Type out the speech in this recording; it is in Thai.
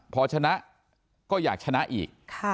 พอชนะก็อยากชนะอีก